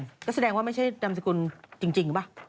แล้วเขาแสดงว่าไม่ใช่นามสกุลจริงหรือเปล่า